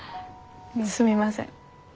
すみません。